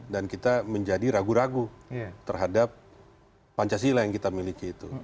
dan kita menjadi ragu ragu terhadap pancasila yang kita miliki itu